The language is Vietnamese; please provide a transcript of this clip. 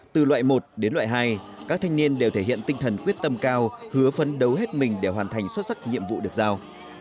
từ loại một đến loại hai các thanh niên đều thể hiện tinh thần quyết tâm cao hứa phấn đấu hết mình để hoàn thành xuất sắc nhiệm vụ được giao